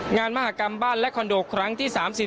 มหากรรมบ้านและคอนโดครั้งที่๓๐